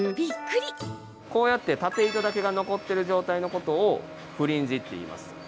こうやって縦糸だけが残っている状態のことをフリンジっていいます。